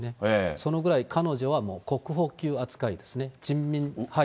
そのぐらい、彼女はもう国宝級扱いですね。